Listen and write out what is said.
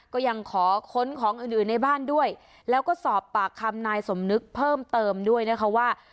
ก็ยังขอค้นของอื่นอื่นในบ้านด้วยแล้วก็สอบปากคำนายสมนึกเพิ่มเติมด้วยนะคะว่า